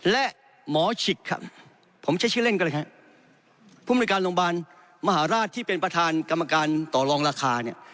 และหมอฉิกครับผมใช้ชื่อเล่นกันเลยฮะภูมิในการโรงพยาบาลมหาราชที่เป็นประธานกรรมการต่อรองราคาเนี่ย